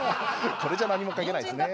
これじゃ何も書けないですね。